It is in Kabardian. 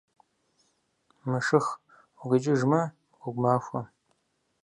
- Мэшых укъикӏыжмэ, гъуэгу махуэ.